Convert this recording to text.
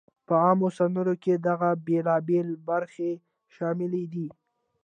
په عامو سندرو کې دغه بېلابېلی برخې شاملې دي: